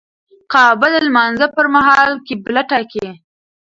کعبه د لمانځه پر مهال قبله ټاکي.